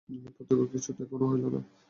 প্রত্যক্ষ কিছুই তো এখনও হইল না।